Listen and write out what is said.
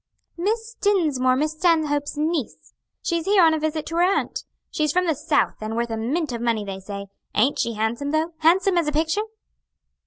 "Miss Dinsmore, Miss Stanhope's niece. She's here on a visit to her aunt. She's from the South, and worth a mint of money, they say. Aint she handsome though? handsome as a picture?"